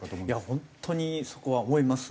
本当にそこは思います。